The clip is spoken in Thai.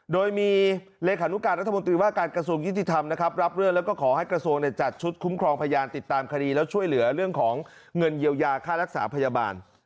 โดยมีเลขานุการรัฐมนตรีว่าการกระทรวงยุติธรรมนะครับรับเรื่องแล้วก็ขอให้กระทรวงจัดชุดคุ้มครองพยานติดตามคดีแล้วช่วยเหลือเรื่องของเงินเยียวยาค่ารักษาพยาบาล